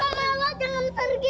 mama ella jangan pergi